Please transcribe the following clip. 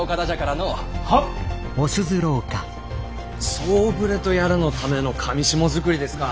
「総触れ」とやらのための裃づくりですか。